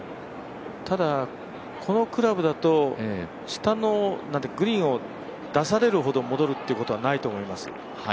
ただ、このクラブだと下のグリーンを出されるほど戻るということはないと思います。